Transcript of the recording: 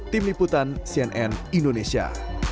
tim liputan cnn indonesia